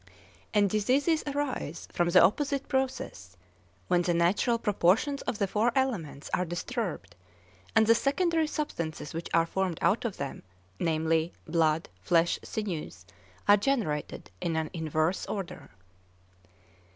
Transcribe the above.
And diseases arise from the opposite process—when the natural proportions of the four elements are disturbed, and the secondary substances which are formed out of them, namely, blood, flesh, sinews, are generated in an inverse order.